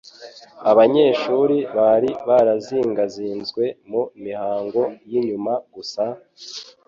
Abanyeshuri bari barazingazinzwe mu mihango y'inyuma gusa,